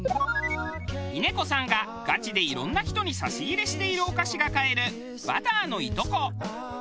峰子さんがガチでいろんな人に差し入れしているお菓子が買えるバターのいとこ。